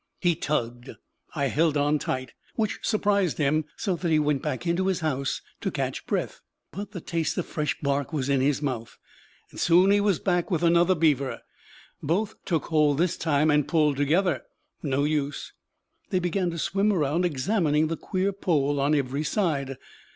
He tugged; I held on tight which surprised him so that he went back into his house to catch breath. But the taste of fresh bark was in his mouth, and soon he was back with another beaver. Both took hold this time and pulled together. No use! They began to swim round, examining the queer pole on every side.